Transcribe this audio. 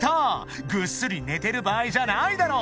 ［ぐっすり寝てる場合じゃないだろ］